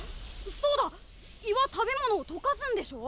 そうだ胃は食べ物を溶かすんでしょ？